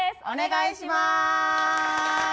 お願いします。